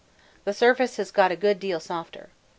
The surface has got a good deal softer.